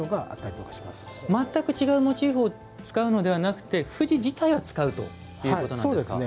全く違うモチーフを使うのではなくて藤自体を使うというわけですか。